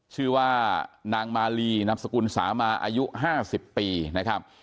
ชื่อว่านางมาลีนามสกุลสามาอายุ๕๐ปีนะครับ